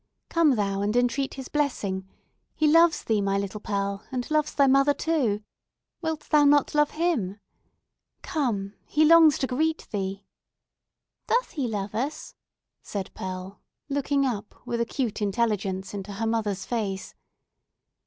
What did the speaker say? "Come thou, and entreat his blessing! He loves thee, my little Pearl, and loves thy mother, too. Wilt thou not love him? Come he longs to greet thee!" "Doth he love us?" said Pearl, looking up with acute intelligence into her mother's face.